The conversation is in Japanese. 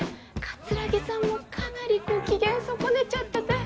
桂木さんもかなりご機嫌損ねちゃってて。